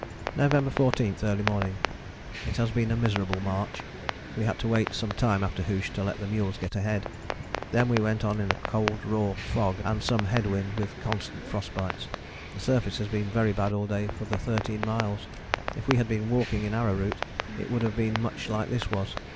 November 14. Early morning. It has been a miserable march. We had to wait some time after hoosh to let the mules get ahead. Then we went on in a cold raw fog and some head wind, with constant frost bites. The surface has been very bad all day for the thirteen miles: if we had been walking in arrowroot it would have been much like this was.